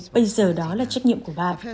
bây giờ đó là trách nhiệm của bạn